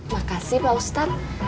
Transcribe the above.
makasih pak ustadz